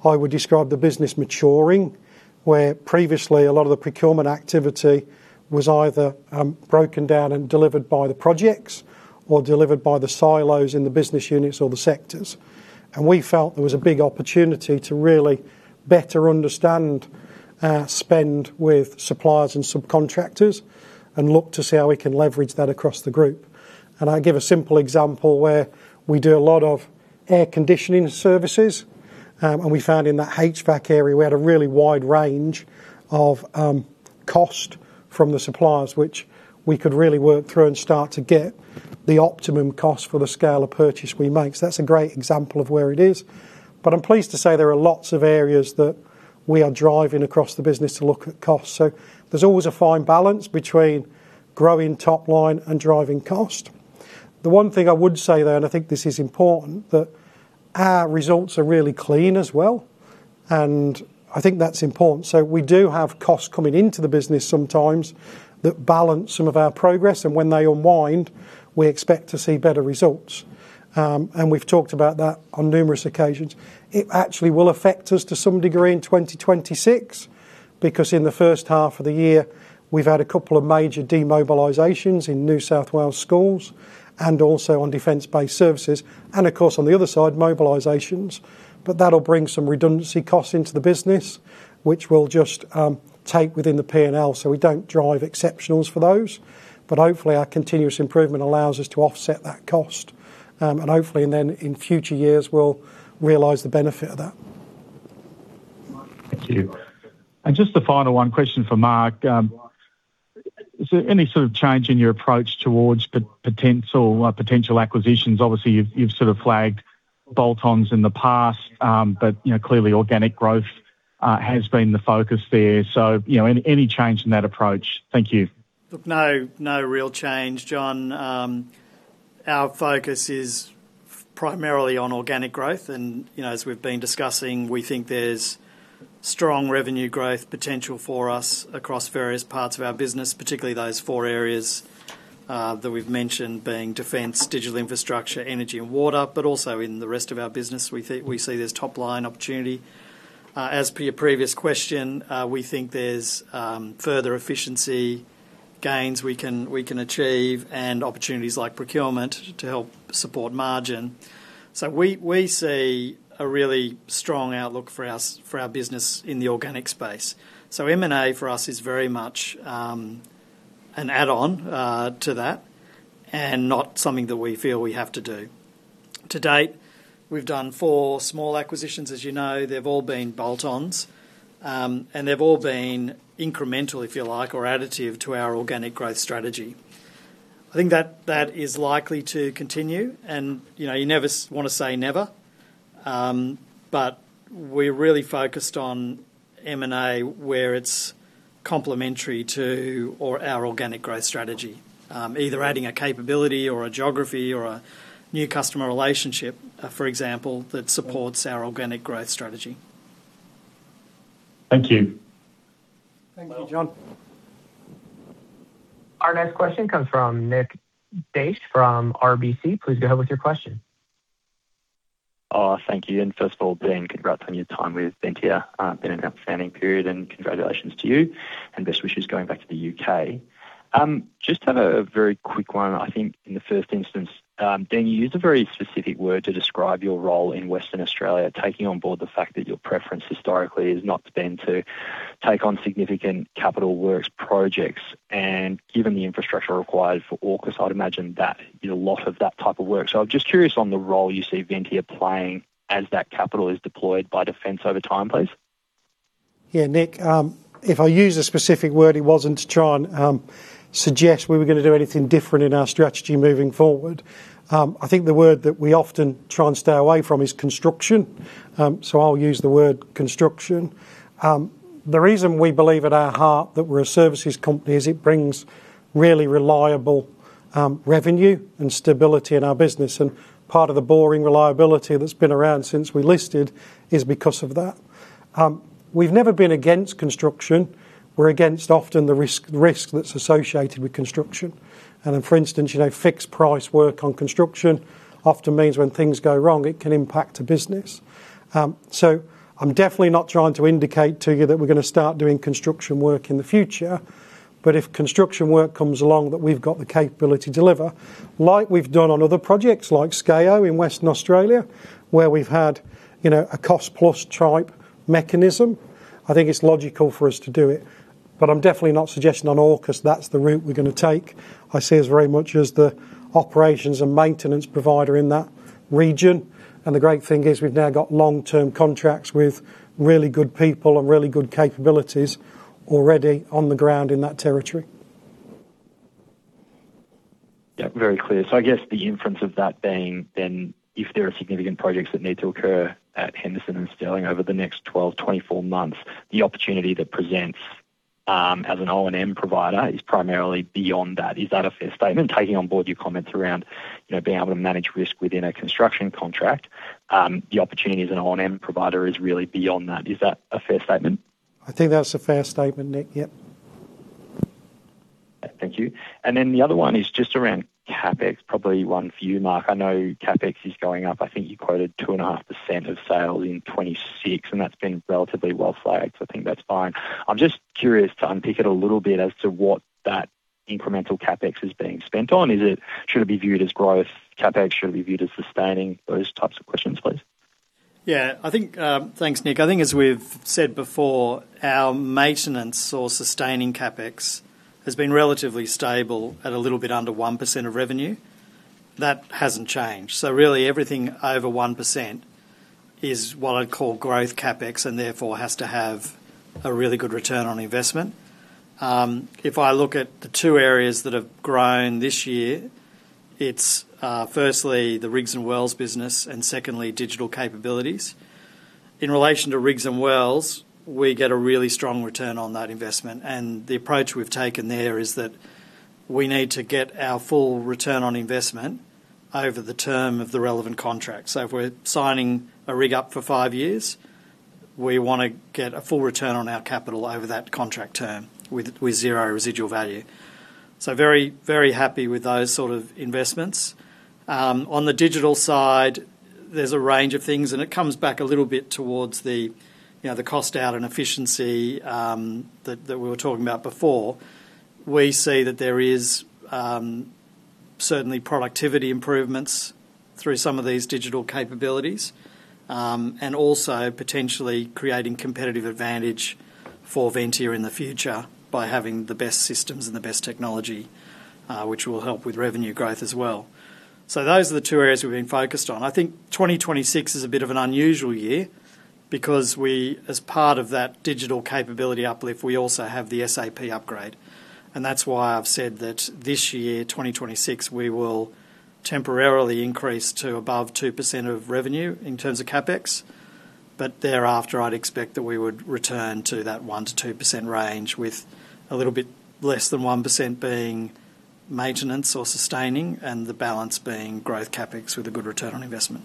Speaker 1: how we describe the business maturing, where previously, a lot of the procurement activity was either broken down and delivered by the projects or delivered by the silos in the business units or the sectors. We felt there was a big opportunity to really better understand our spend with suppliers and subcontractors and look to see how we can leverage that across the group. I'll give a simple example where we do a lot of air conditioning services, and we found in that HVAC area, we had a really wide range of cost from the suppliers, which we could really work through and start to get the optimum cost for the scale of purchase we make. That's a great example of where it is, but I'm pleased to say there are lots of areas that we are driving across the business to look at costs. There's always a fine balance between growing top line and driving cost. The one thing I would say, though, and I think this is important, that our results are really clean as well, and I think that's important. So we do have costs coming into the business sometimes that balance some of our progress, and when they unwind, we expect to see better results. And we've talked about that on numerous occasions. It actually will affect us to some degree in 2026, because in the first half of the year, we've had a couple of major demobilizations in New South Wales schools and also on Defence Base Services, and of course, on the other side, mobilizations. But that'll bring some redundancy costs into the business, which we'll just take within the P&L, so we don't drive exceptionals for those. Hopefully, our continuous improvement allows us to offset that cost, and hopefully, and then in future years, we'll realize the benefit of that.
Speaker 7: Thank you. Just a final one question for Mark. Is there any sort of change in your approach towards potential acquisitions? Obviously, you've sort of flagged bolt-ons in the past, but, you know, clearly, organic growth has been the focus there. So, you know, any change in that approach? Thank you.
Speaker 3: Look, no, no real change, John. Our focus is primarily on organic growth, and, you know, as we've been discussing, we think there's strong revenue growth potential for us across various parts of our business, particularly those four areas that we've mentioned, being Defence, digital infrastructure, energy, and water. But also in the rest of our business, we see there's top-line opportunity. As per your previous question, we think there's further efficiency gains we can achieve and opportunities like procurement to help support margin. So we see a really strong outlook for our business in the organic space. So M&A, for us, is very much an add-on to that and not something that we feel we have to do. To date, we've done four small acquisitions. As you know, they've all been bolt-ons, and they've all been incremental, if you like, or additive to our organic growth strategy. I think that is likely to continue, and, you know, you never wanna say never, but we're really focused on M&A, where it's complementary to, or our organic growth strategy. Either adding a capability, or a geography, or a new customer relationship, for example, that supports our organic growth strategy.
Speaker 7: Thank you.
Speaker 1: Thank you, John.
Speaker 4: Our next question comes from Nick Daish from RBC. Please go ahead with your question.
Speaker 8: Thank you. And first of all, Dean, congrats on your time with Ventia. Been an outstanding period, and congratulations to you, and best wishes going back to the U.K. Just have a very quick one. I think in the first instance, Dean, you used a very specific word to describe your role in Western Australia, taking on board the fact that your preference historically has not been to take on significant capital works projects, and given the infrastructure required for AUKUS, I'd imagine that is a lot of that type of work. So I'm just curious on the role you see Ventia playing as that capital is deployed by Defence over time, please.
Speaker 1: Yeah, Nick, if I used a specific word, it wasn't to try and suggest we were gonna do anything different in our strategy moving forward. I think the word that we often try and stay away from is construction, so I'll use the word construction. The reason we believe at our heart that we're a services company is it brings really reliable revenue and stability in our business, and part of the boring reliability that's been around since we listed is because of that. We've never been against construction, we're against often the risk, risk that's associated with construction. And for instance, you know, fixed price work on construction often means when things go wrong, it can impact a business. So, I'm definitely not trying to indicate to you that we're going to start doing construction work in the future, but if construction work comes along that we've got the capability to deliver, like we've done on other projects like SKA-Low in Western Australia, where we've had, you know, a cost-plus type mechanism, I think it's logical for us to do it. But I'm definitely not suggesting on AUKUS, that's the route we're going to take. I see us very much as the operations and maintenance provider in that region, and the great thing is we've now got long-term contracts with really good people and really good capabilities already on the ground in that territory.
Speaker 8: Yeah, very clear. So I guess the inference of that being then, if there are significant projects that need to occur at Henderson and Stirling over the next 12, 24 months, the opportunity that presents as an O&M provider is primarily beyond that. Is that a fair statement? Taking on board your comments around, you know, being able to manage risk within a construction contract, the opportunity as an O&M provider is really beyond that. Is that a fair statement?
Speaker 1: I think that's a fair statement, Nick. Yep.
Speaker 8: Thank you. And then the other one is just around CapEx, probably one for you, Mark. I know CapEx is going up. I think you quoted 2.5% of sales in 2026, and that's been relatively well flagged, so I think that's fine. I'm just curious to unpick it a little bit as to what that incremental CapEx is being spent on. Is it—should it be viewed as growth CapEx? Should it be viewed as sustaining? Those types of questions, please.
Speaker 3: Yeah. I think... Thanks, Nick. I think as we've said before, our maintenance or sustaining CapEx has been relatively stable at a little bit under 1% of revenue. That hasn't changed. So really, everything over 1% is what I'd call growth CapEx, and therefore, has to have a really good return on investment. If I look at the 2 areas that have grown this year, it's firstly, the rigs and wells business, and secondly, digital capabilities. In relation to rigs and wells, we get a really strong return on that investment, and the approach we've taken there is that we need to get our full return on investment over the term of the relevant contract. So if we're signing a rig up for 5 years, we want to get a full return on our capital over that contract term with zero residual value. So very, very happy with those sort of investments. On the digital side, there's a range of things, and it comes back a little bit towards the, you know, the cost out and efficiency that we were talking about before. We see that there is certainly productivity improvements through some of these digital capabilities, and also potentially creating competitive advantage for Ventia in the future by having the best systems and the best technology, which will help with revenue growth as well. So those are the two areas we've been focused on. I think 2026 is a bit of an unusual year because we, as part of that digital capability uplift, we also have the SAP upgrade, and that's why I've said that this year, 2026, we will temporarily increase to above 2% of revenue in terms of CapEx, but thereafter, I'd expect that we would return to that 1%-2% range, with a little bit less than 1% being maintenance or sustaining, and the balance being growth CapEx with a good return on investment.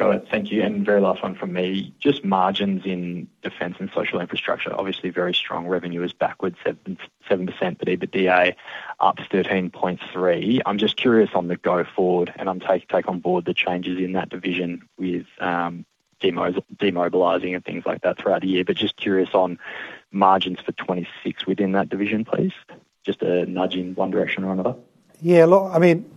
Speaker 8: All right. Thank you, and very last one from me. Just margins in Defence and Social Infrastructure. Obviously, very strong revenue is upwards 7.7% for EBITDA, up to 13.3. I'm just curious on the go forward, and I'll take on board the changes in that division with demobilizing and things like that throughout the year. But just curious on margins for 2026 within that division, please. Just a nudge in one direction or another.
Speaker 1: Yeah, look, I mean,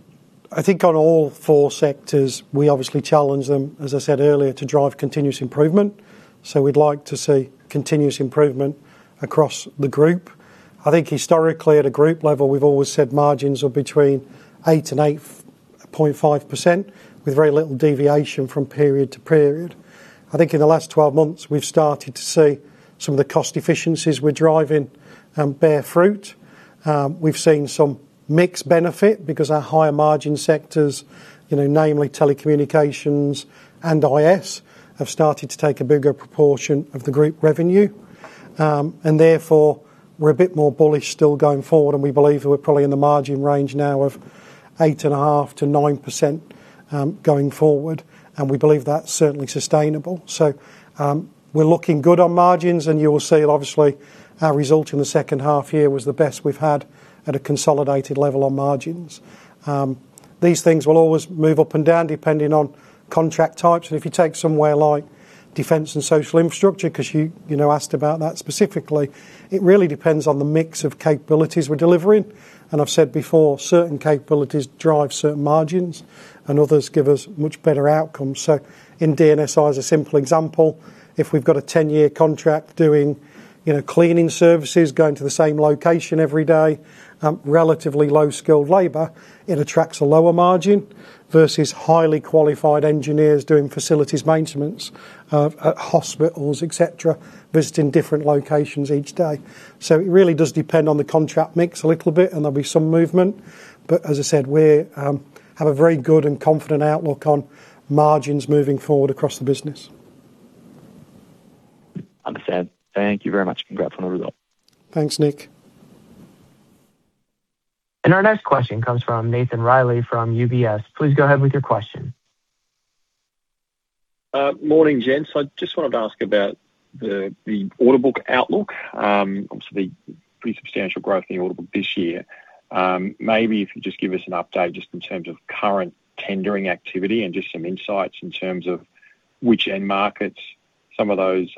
Speaker 1: I think on all four sectors, we obviously challenge them, as I said earlier, to drive continuous improvement, so we'd like to see continuous improvement across the group. I think historically, at a group level, we've always said margins are between 8% and 8.5%, with very little deviation from period to period. I think in the last 12 months, we've started to see some of the cost efficiencies we're driving, bear fruit. We've seen some mixed benefit because our higher margin sectors, you know, namely Telecommunications and IS, have started to take a bigger proportion of the group revenue. And therefore, we're a bit more bullish still going forward, and we believe that we're probably in the margin range now of 8.5%-9%, going forward, and we believe that's certainly sustainable. We're looking good on margins, and you will see obviously, our result in the second half year was the best we've had at a consolidated level on margins. These things will always move up and down, depending on contract types. If you take somewhere like Defence and Social Infrastructure, because you, you know, asked about that specifically, it really depends on the mix of capabilities we're delivering, and I've said before, certain capabilities drive certain margins, and others give us much better outcomes. In DNSI, as a simple example, if we've got a 10-year contract doing, you know, cleaning services, going to the same location every day, relatively low-skilled labor, it attracts a lower margin versus highly qualified engineers doing facilities maintenance, at hospitals, et cetera, visiting different locations each day. So it really does depend on the contract mix a little bit, and there'll be some movement, but as I said, we have a very good and confident outlook on margins moving forward across the business.
Speaker 8: Understand. Thank you very much. Congrats on the result.
Speaker 1: Thanks, Nick.
Speaker 4: Our next question comes from Nathan Riley, from UBS. Please go ahead with your question.
Speaker 9: Morning, gents. I just wanted to ask about the order book outlook. Obviously, pretty substantial growth in the order book this year. Maybe if you just give us an update, just in terms of current tendering activity and just some insights in terms of which end markets some of those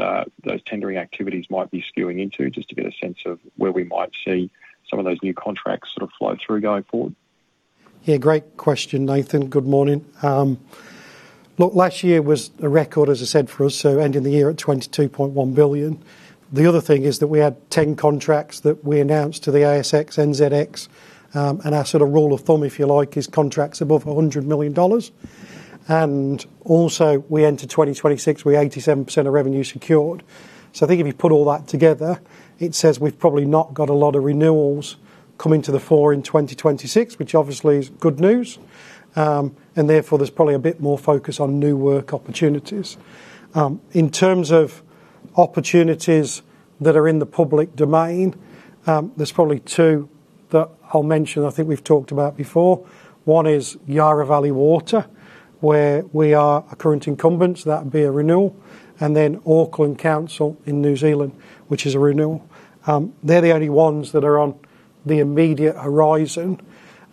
Speaker 9: tendering activities might be skewing into, just to get a sense of where we might see some of those new contracts sort of flow through going forward.
Speaker 1: Yeah, great question, Nathan. Good morning. Look, last year was a record, as I said, for us, so ending the year at 22.1 billion. The other thing is that we had 10 contracts that we announced to the ASX, NZX. And our sort of rule of thumb, if you like, is contracts above 100 million dollars. And also, we enter 2026 with 87% of revenue secured. So I think if you put all that together, it says we've probably not got a lot of renewals coming to the fore in 2026, which obviously is good news. And therefore, there's probably a bit more focus on new work opportunities. In terms of opportunities that are in the public domain, there's probably 2 that I'll mention, I think we've talked about before. One is Yarra Valley Water, where we are a current incumbent, so that would be a renewal. And then Auckland Council in New Zealand, which is a renewal. They're the only ones that are on the immediate horizon.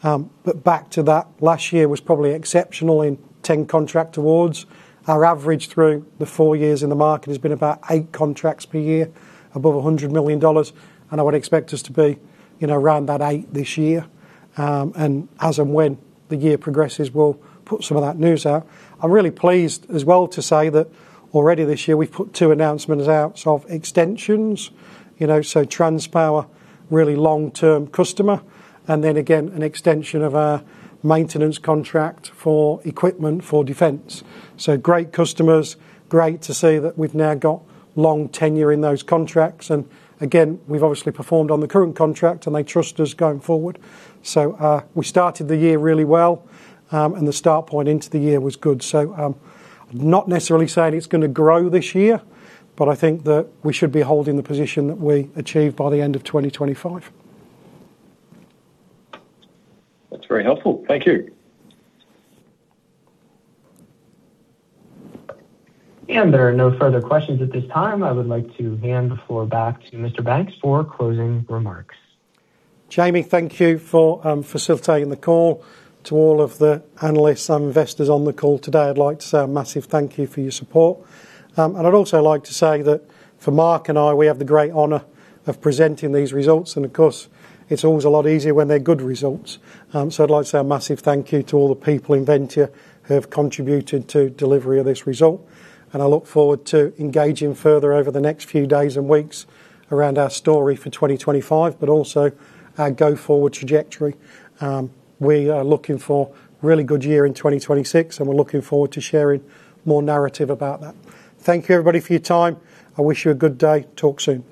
Speaker 1: But back to that, last year was probably exceptional in 10 contract awards. Our average through the 4 years in the market has been about 8 contracts per year, above 100 million dollars, and I would expect us to be, you know, around about 8 this year. And as and when the year progresses, we'll put some of that news out. I'm really pleased as well to say that already this year, we've put 2 announcements out of extensions. You know, so Transpower, really long-term customer, and then again, an extension of our maintenance contract for equipment for Defence. So great customers, great to see that we've now got long tenure in those contracts. And again, we've obviously performed on the current contract, and they trust us going forward. So, we started the year really well, and the start point into the year was good. So, I'm not necessarily saying it's gonna grow this year, but I think that we should be holding the position that we achieved by the end of 2025.
Speaker 9: That's very helpful. Thank you.
Speaker 4: There are no further questions at this time. I would like to hand the floor back to Mr. Banks for closing remarks.
Speaker 1: Jamie, thank you for facilitating the call. To all of the analysts and investors on the call today, I'd like to say a massive thank you for your support. And I'd also like to say that for Mark and I, we have the great honor of presenting these results, and of course, it's always a lot easier when they're good results. So I'd like to say a massive thank you to all the people in Ventia who have contributed to delivery of this result. And I look forward to engaging further over the next few days and weeks around our story for 2025, but also our go-forward trajectory. We are looking for a really good year in 2026, and we're looking forward to sharing more narrative about that. Thank you, everybody, for your time. I wish you a good day. Talk soon.